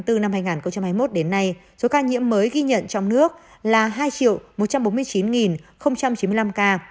từ năm hai nghìn hai mươi một đến nay số ca nhiễm mới ghi nhận trong nước là hai một trăm bốn mươi chín chín mươi năm ca